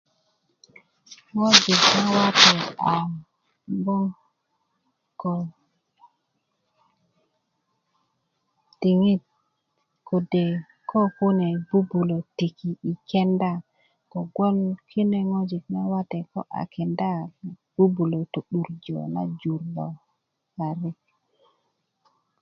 ŋojik na wate a gboŋ ko diŋit kode' ko kune bubulö tiki yi kenda kogboŋ kine ŋojik na wate ko a kenda bubulö to'durjö jur lo parik